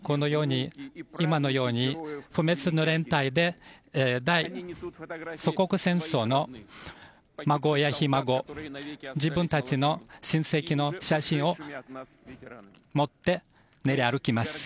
今のように不滅の連隊で祖国戦争の孫や、ひ孫自分たちの親戚の写真を持って練り歩きます。